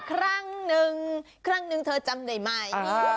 ครั้งหนึ่งเธอจำได้ไหม